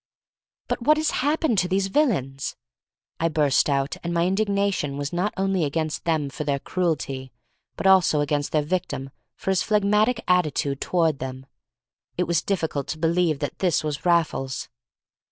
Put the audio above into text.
"But what has happened to these villains?" I burst out, and my indignation was not only against them for their cruelty, but also against their victim for his phlegmatic attitude toward them. It was difficult to believe that this was Raffles.